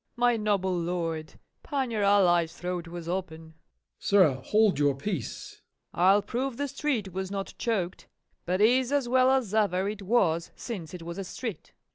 FAULKNER. My noble lord, Paniar Allies throat was open. MORE. Sirrah, hold your peace. FAULKNER. I'll prove the street was not choked, but is as well as ever it was since it was a street.